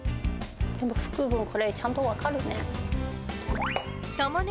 福君、これ、ちゃんと分かるね。